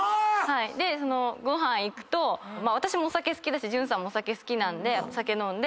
でご飯行くと私もお酒好きだし潤さんもお酒好きなんでお酒飲んで。